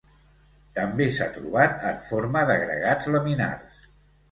També s'ha trobat en forma d'agregats laminars.